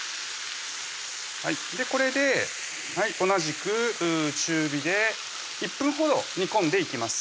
これで同じく中火で１分程煮込んでいきます